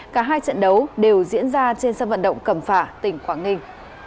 cả hai trận đấu đều diễn ra trên sân vận động cầm phả tỉnh quảng ninh